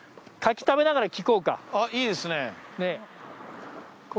あっいいですね。